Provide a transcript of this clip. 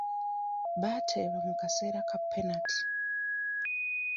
Baateeba mu kaseera ka penati.